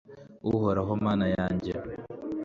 uhoraho mana yanjye